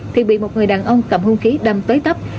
thì bị một người đàn ông cầm hôn khí đâm tới tấp